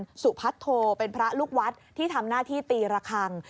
คุณสุพัทโทเป็นพระลูกวัดที่ทำหน้าที่ตีระคัง